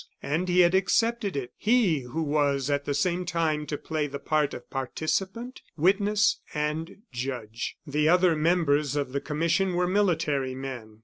And he had accepted it he who was at the same time to play the part of participant, witness, and judge. The other members of the commission were military men.